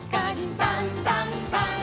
「さんさんさん」